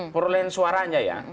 perolahan suaranya ya